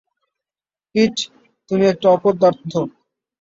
পিট, তুমি একটা অপদার্থ!